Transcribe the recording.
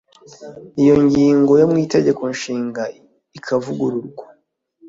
iyo ngingo yo mu Itegeko Nshinga ikavugururwa